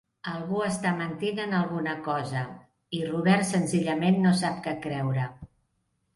Algú està mentint en alguna cosa, i Roberts senzillament no sap què creure.